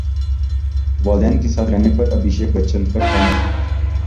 والدین کے ساتھ رہنے پر ابھیشیک بچن پر طنز